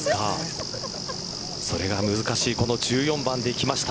それが難しいこの１４番できました。